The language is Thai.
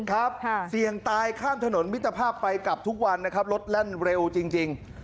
เสี่ยงตายข้ามถนนมิตรภาพไปกลับทุกวันนะครับรถแล่นเร็วจริง